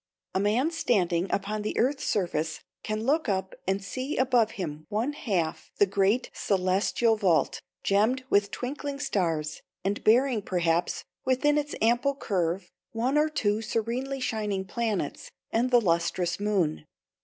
A man standing upon the earth's surface can look up and see above him one half the great celestial vault, gemmed with twinkling stars, and bearing, perhaps, within its ample curve one or two serenely shining planets and the lustrous moon.